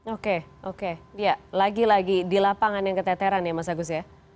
oke oke ya lagi lagi di lapangan yang keteteran ya mas agus ya